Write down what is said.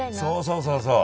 そうそうそうそう。